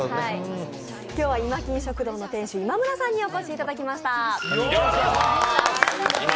今日はいまきん食堂の店主今村さんにお越しいただきました。